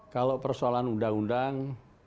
kalau persoalan undang undang